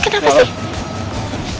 takut kenapa sih